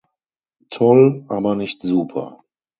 Toll, aber nicht super.